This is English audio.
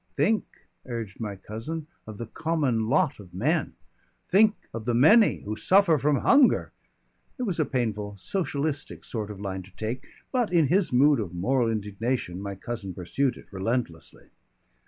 "Think!" urged my cousin, "of the common lot of men. Think of the many who suffer from hunger " (It was a painful Socialistic sort of line to take, but in his mood of moral indignation my cousin pursued it relentlessly.)